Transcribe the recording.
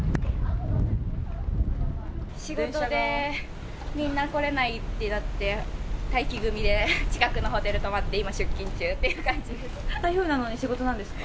仕事で、みんな来れないってなって、待機組で、近くのホテル泊まって、今、台風なのに仕事なんですか。